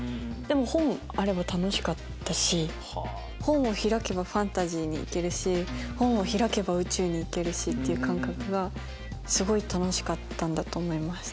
本を開けばファンタジーに行けるし本を開けば宇宙に行けるっていう感覚がすごい楽しかったんだと思います。